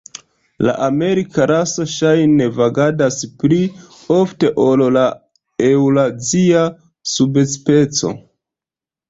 La amerika raso ŝajne vagadas pli ofte ol la eŭrazia subspecio.